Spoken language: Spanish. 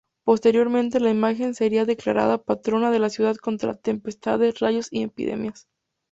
Posteriormente, la imagen sería declarada patrona de la ciudad contra tempestades, rayos y epidemias.